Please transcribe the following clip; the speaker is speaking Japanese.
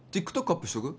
アップしとく？